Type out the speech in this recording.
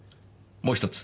もう１つ。